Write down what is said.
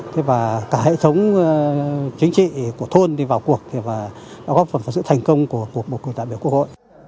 thế và cả hệ thống chính trị của thôn đi vào cuộc thì đã góp phần vào sự thành công của bầu cử đại biểu quốc hội